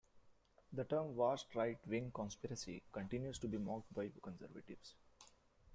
The term "Vast Right Wing Conspiracy" continues to be mocked by conservatives.